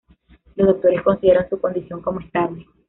Los doctores consideran su condición como estable.